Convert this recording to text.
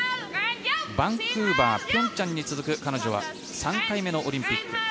バンクーバー、平昌に続く彼女は３回目のオリンピック。